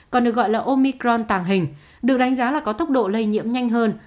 còn được gọi là omicron tàng hình được đánh giá là có tốc độ lây nhiễm nhanh hơn